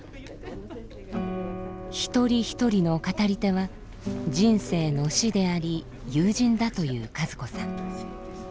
一人一人の語り手は人生の師であり友人だという和子さん。